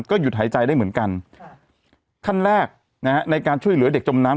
หยุดหายใจได้เหมือนกันขั้นแรกนะฮะในการช่วยเหลือเด็กจมน้ำ